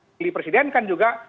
dilih presiden kan juga